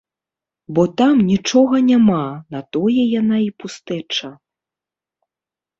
Бо там нічога няма, на тое яна і пустэча.